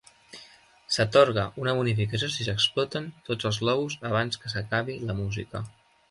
S'atorga una bonificació si s'exploten tots els globus abans que s'acabi la música.